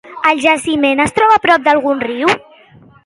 El jaciment es troba a prop d'algun riu?